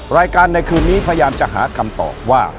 รายการในคืนนี้พยายามจะหากรรมต่อว่า